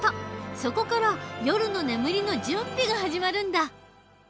そこから夜の眠りの準備が始まるんだ。